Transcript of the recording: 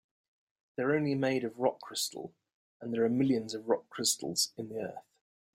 They're only made of rock crystal, and there are millions of rock crystals in the earth.